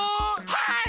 はい！